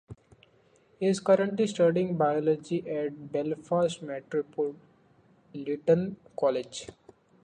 He is currently studying biology at Belfast Metropolitan College.